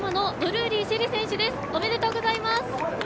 ありがとうございます。